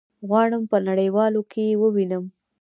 غواړم په نړيوالو کي يي ووينم